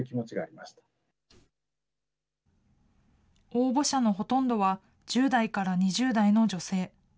応募者のほとんどは１０代から２０代の女性。